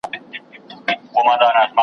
پرانيزي او الهام ورکوي